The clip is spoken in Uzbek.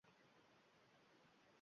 Poygadan chiqishning asosi nima